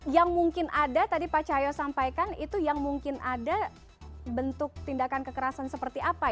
yang mungkin ada tadi pak cahyo sampaikan itu yang mungkin ada bentuk tindakan kekerasan seperti apa